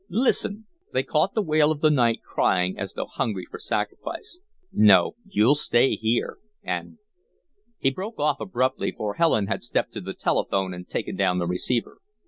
Listen!" They caught the wail of the night crying as though hungry for sacrifice. "No, you'll stay here and " He broke off abruptly, for Helen had stepped to the telephone and taken down the receiver.